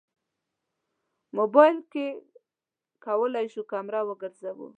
موبایل کې کولی شو کمره وګرځوو.